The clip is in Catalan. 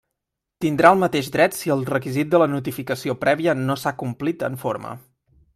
Tindrà el mateix dret si el requisit de la notificació prèvia no s'ha complit en forma.